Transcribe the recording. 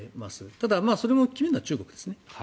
ただ、それも決めるのは中国ですね。